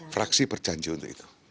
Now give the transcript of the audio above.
fraksi berjanji untuk itu